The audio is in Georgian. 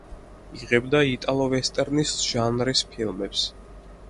იღებდა იტალო-ვესტერნის ჟანრის ფილმებს.